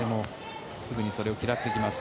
すぐにそれを嫌っていきます。